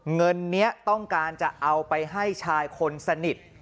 เงินนี้ต้องการจะเอาไปให้ชายคนสนิท